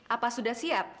apa sudah siap